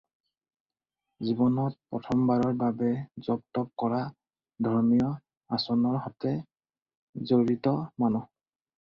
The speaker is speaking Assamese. জীৱনত প্ৰথমবাৰৰ বাবে জপ তপ কৰা ধৰ্মীয় আচৰণৰ সতে জড়িত মানুহ।